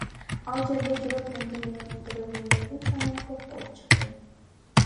Ал жерде жүрөк кемтиги менен төрөлгөндөрдүн саны көп болуп чыкты.